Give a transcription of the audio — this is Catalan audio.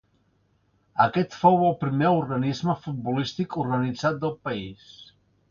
Aquest fou el primer organisme futbolístic organitzat del país.